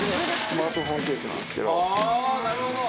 スマートフォンケースなんですけど。